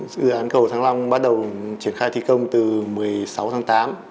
dự án cầu thăng long bắt đầu triển khai thi công từ một mươi sáu tháng tám